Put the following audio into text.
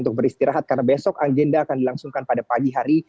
untuk beristirahat karena besok agenda akan dilangsungkan pada pagi hari